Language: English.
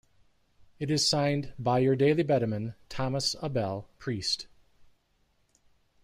It is signed "by your daily bedeman, Thomas Abell, priest".